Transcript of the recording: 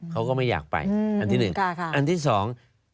เขาก็ไม่อยากไปอันที่หนึ่งค่ะอันที่สอง